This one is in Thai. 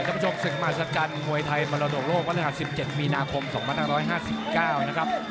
สำมัดโชคศึกมาชัดกันมวยไทยมรดกโลกวันธรรม๑๗มีนาคม๒๕๕๙นะครับ